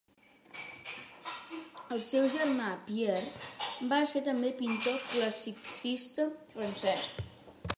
El seu germà Pierre va ser també pintor classicista francès.